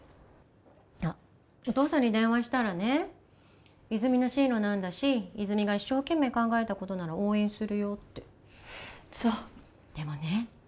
あっお父さんに電話したらね泉の進路なんだし泉が一生懸命考えたことなら応援するよってそうでもね